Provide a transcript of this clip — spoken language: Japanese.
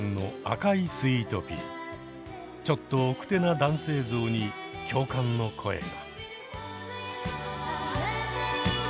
ちょっとおくてな男性像に共感の声が。